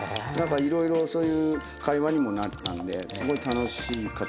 いろいろそういう会話にもなったんですごい楽しかったですね